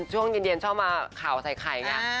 ช่วงหยินเข้ามาข่าวใส่ไข่เนี่ย